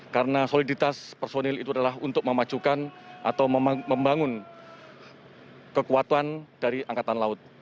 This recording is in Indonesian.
karena soliditas personil itu adalah untuk memajukan atau membangun kekuatan dari angkatan laut